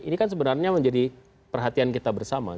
ini kan sebenarnya menjadi perhatian kita bersama